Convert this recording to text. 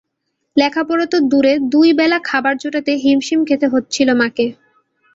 লেখাপড়া তো দূরে দুই বেলা খাবার জোটাতে িহমশিম খেতে হচ্ছিল মাকে।